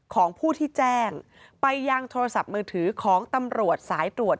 ของผู้ที่แจ้งไปยังโทรศัพท์มือถือของตำรวจสายตรวจ